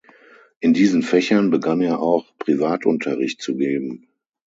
In diesen Fächern begann er auch Privatunterricht zu geben.